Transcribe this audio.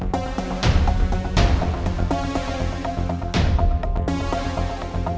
kembali dulu fear